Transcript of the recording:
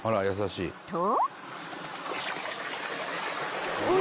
［と］